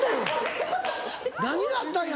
何があったんや？